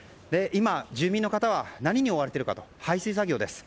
住民は何に追われているかと排水作業です。